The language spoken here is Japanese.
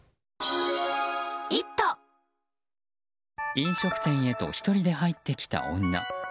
飲食店へと１人で入ってきた女。